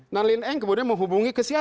nah lin eng kemudian menghubungi kesihatan